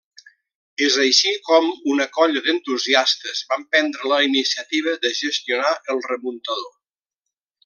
És així com una colla d'entusiastes van prendre la iniciativa de gestionar el remuntador.